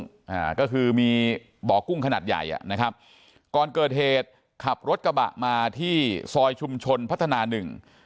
อ่าก็คือมีบ่อกุ้งขนาดใหญ่อ่ะนะครับก่อนเกิดเหตุขับรถกระบะมาที่ซอยชุมชนพัฒนาหนึ่ง